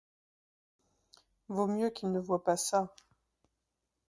Vaut mieux qu’il ne voie pas ça.